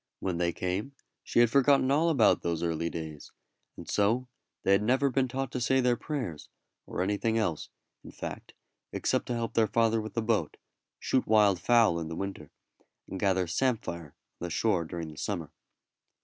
When they came she had forgotten all about those early days; and so they had never been taught to say their prayers, or anything else, in fact, except to help their father with the boat, shoot wild fowl in the winter, and gather samphire on the shore during the summer.